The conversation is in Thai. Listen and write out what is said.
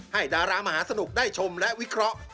ดารามหาสนุกได้ชมและวิเคราะห์